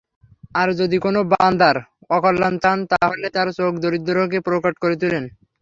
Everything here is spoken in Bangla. আর যদি কোন বান্দার অকল্যাণ চান তাহলে তার চোখ দারিদ্রকে প্রকট করে তুলেন।